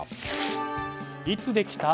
いつできた？